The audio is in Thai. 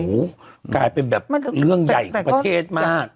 และกลายเป็นเรื่องใหญ่ประเภทมาก